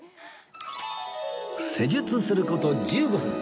施術する事１５分